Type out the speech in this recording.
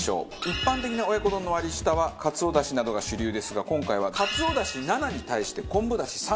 一般的な親子丼の割下はかつおだしなどが主流ですが今回はかつおだし７に対して昆布だし３の合わせだしに。